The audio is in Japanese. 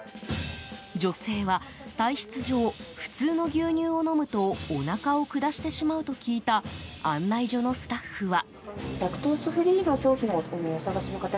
女性は体質上普通の牛乳を飲むとおなかを下してしまうと聞いた案内所のスタッフは。